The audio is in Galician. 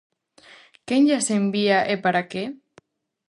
Quen llas envía e para que?